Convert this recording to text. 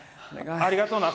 ありがとうな。